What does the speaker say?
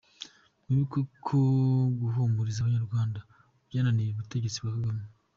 Mwibuke ko guhumuriza abanyarwanda byananiye ubutegetsi bwa Kagame!